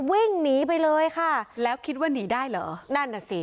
วิ่งหนีไปเลยค่ะแล้วคิดว่าหนีได้เหรอนั่นน่ะสิ